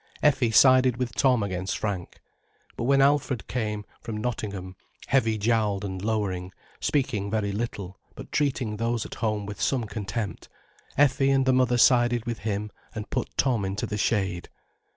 Effie sided with Tom against Frank. But when Alfred came, from Nottingham, heavy jowled and lowering, speaking very little, but treating those at home with some contempt, Effie and the mother sided with him and put Tom into the shade.